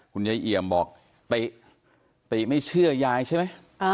คุณยายเอียมบอกติไม่เชื่อยายใช่ไหม